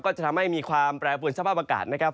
จะทำให้มีความแปรปวนสภาพอากาศนะครับ